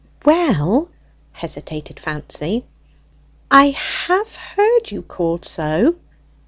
"Well," hesitated Fancy, "I have heard you called so."